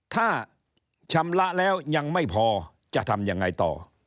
ถ้าชำระแล้วยังไม่พอจะทำยังไงต่อ